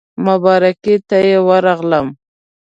مبارکۍ ته یې ورغلم.